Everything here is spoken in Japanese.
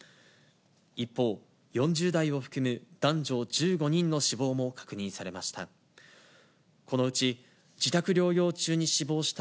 一方、４０代を含む男女１５人の死亡も確認されました。